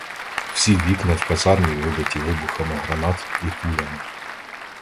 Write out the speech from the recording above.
Всі вікна в казармі вибиті вибухами гранат і кулями.